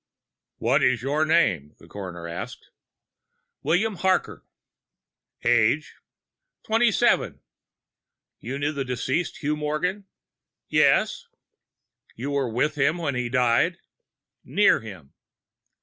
"What is your name?" the coroner asked. "William Harker." "Age?" "Twenty seven." "You knew the deceased, Hugh Morgan?" "Yes." "You were with him when he died?" "Near him."